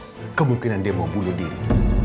karena pisau kemungkinan dia mau buluh diri